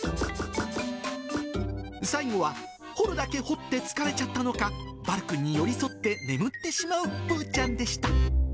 最後は掘るだけ掘って疲れちゃったのか、バルくんに寄り添って眠ってしまうぷーちゃんでした。